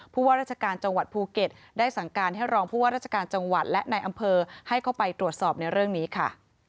ว่าราชการจังหวัดภูเก็ตได้สั่งการให้รองผู้ว่าราชการจังหวัดและในอำเภอให้เข้าไปตรวจสอบในเรื่องนี้ค่ะ